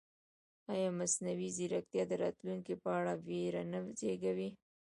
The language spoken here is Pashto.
ایا مصنوعي ځیرکتیا د راتلونکي په اړه وېره نه زېږوي؟